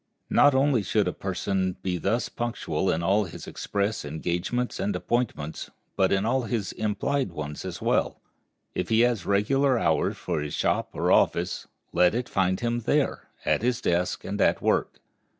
Not only should a person be thus punctual in all his express engagements and appointments, but in all his implied ones as well. If he has a regular hour for his shop or office, let it find him there, at his desk and at work.